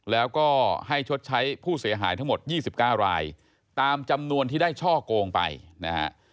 แล้วก็ให้ชดใช้ผู้เสียหายทั้งหมด๒๙รายตามจำนวนที่ได้ช่อโกงไปนะฮะ